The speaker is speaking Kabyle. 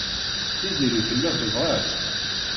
Tiziri tella tebɣa-tt.